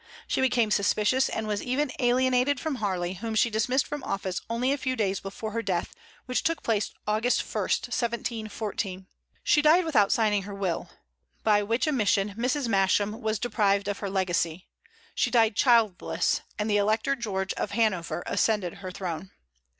She became suspicious, and was even alienated from Harley, whom she dismissed from office only a few days before her death, which took place Aug. 1, 1714. She died without signing her will, by which omission Mrs. Masham was deprived of her legacy. She died childless, and the Elector George of Hanover ascended her throne.